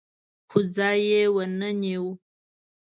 خو ځای یې ونه نیو